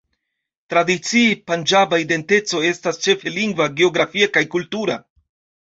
Tradicie, panĝaba identeco estas ĉefe lingva, geografia kaj kultura.